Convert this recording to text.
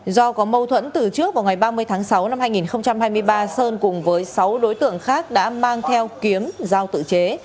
do có mâu thuẫn từ trước vào ngày ba mươi tháng sáu năm hai nghìn hai mươi ba sơn cùng với sáu đối tượng khác đã mang theo kiếm giao tự chế